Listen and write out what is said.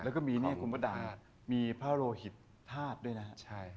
แล้วก็มีนี่คุณพระบรมศาลีริกธาตุด้วยนะฮะ